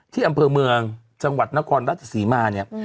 ที่อำเภอเมืองจังหวัดนครราชศรีมาเนี่ย